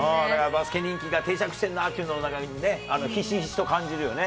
バスケ人気が定着してるなというのをひしひしと感じるよね。